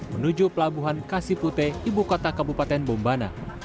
menuju pelabuhan kasipute ibu kota kabupaten bombana